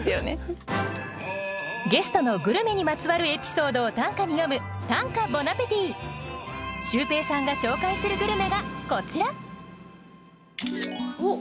ゲストのグルメにまつわるエピソードを短歌に詠むシュウペイさんが紹介するグルメがこちらおおっ